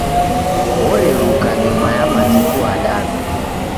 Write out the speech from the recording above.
Oreruka nyuma ya matuku adadu.